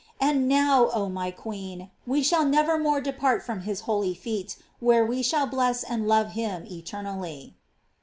And now, oh my queen, we shall never more depart from his holy feet, where we shall bless and love him eternally.